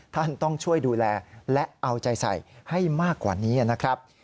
ท่านต้องช่วยดูแลและเอาใจใส่ให้มากกว่านี้นะครับ